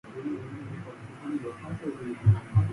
My being worthy of his confidence was well proved.